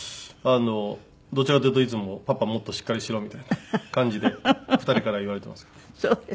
あのどちらかというといつもパパもっとしっかりしろみたいな感じで２人から言われてますけど。